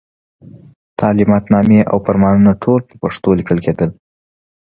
تعلماتنامې او فرمانونه ټول په پښتو لیکل کېدل.